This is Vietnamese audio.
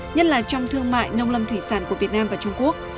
nhất là trong thương mại nông lâm thủy sản của việt nam và trung quốc